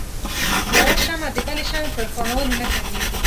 يوه شمعه د بلې شمعې په روښانؤلو نه کميږي.